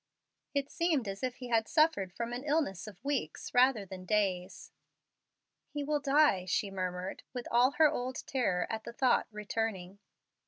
It seemed as if he had suffered from an illness of weeks rather than days. "He will die," she murmured, with all her old terror at the thought returning.